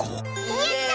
やった！